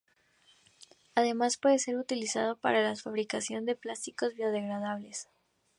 Además puede ser utilizado para la fabricación de plásticos biodegradables.